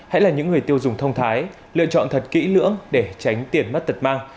hãy là những người tiêu dùng thông thái lựa chọn thật kỹ lưỡng để tránh tiền mất tật mang